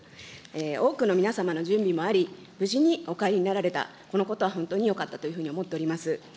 多くの皆様の準備もあり、無事にお帰りになられた、このことは本当によかったというふうに思っております。